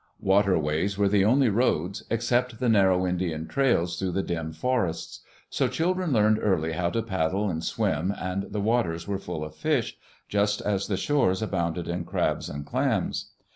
Waterways were the only roads, except the narrow Indian trails through the dim forests. So children learned early how to paddle and swim, and the waters were full of fish, just as the shores abounded in crabs and clams.